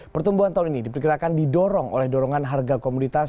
pertumbuhan tahun ini diperkirakan didorong oleh dorongan harga komoditas